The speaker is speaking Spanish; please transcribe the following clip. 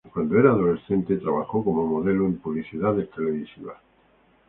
Cuando era adolescente, trabajó como modelo en publicidades televisivas.